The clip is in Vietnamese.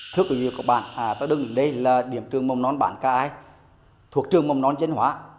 thưa quý vị tôi đứng ở đây là điểm trường mầm non bản k i thuộc trường mầm non dân hóa